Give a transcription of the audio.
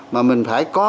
mà mình phải có